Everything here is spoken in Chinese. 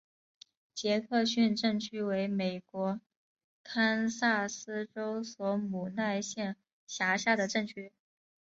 杰克逊镇区为美国堪萨斯州索姆奈县辖下的镇区。